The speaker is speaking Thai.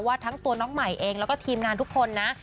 ทั้งตัวน้องใหม่เองแล้วก็ทีมงานทุกคนนะ